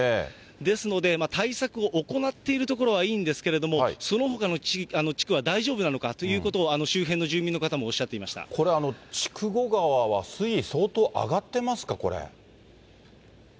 ですので、対策を行っている所はいいんですけれども、そのほかの地区は大丈夫なのかということを、周辺の住民の方もおこれ、筑後川は水位、相当上がってますか、これ。